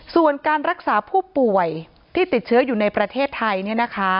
ส่วนการรักษาผู้ป่วยที่ติดเชื้ออยู่ในประเทศไทย